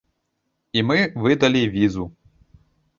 І мы выдалі візу.